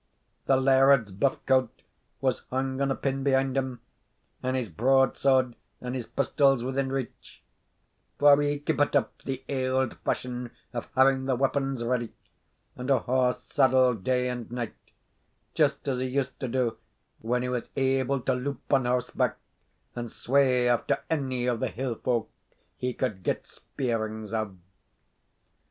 The laird's buff coat was hung on a pin behind him and his broadsword and his pistols within reach; for he keepit up the auld fashion of having the weapons ready, and a horse saddled day and night, just as he used to do when he was able to loup on horseback, and sway after ony of the hill folk he could get speerings of.